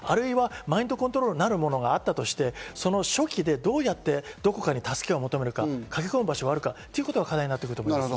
マインドコントロールなるものがあったとして、初期でどうやって、どこかに助けを求めるか、駆け込むかという考えになってくると思います。